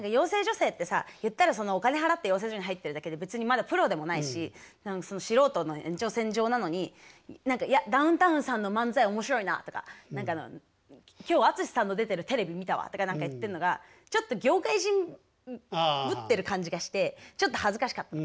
生ってさ言ったらお金払って養成所に入ってるってだけで別にまだプロでもないし素人の延長線上なのに「ダウンタウンさんの漫才面白いな」とか「今日あつしさんの出てるテレビ見たわ」とか何か言ってんのがちょっと業界人ぶってる感じがしてちょっと恥ずかしかったの。